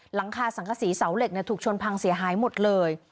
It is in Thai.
หลังคาสังกษีเสาเหล็กถูกชนพังเสียหายหมดเลย